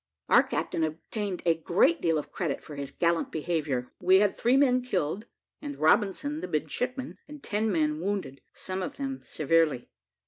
Our captain obtained a great deal of credit for his gallant behaviour. We had three men killed, and Robinson, the midshipman, and ten men wounded, some of them severely.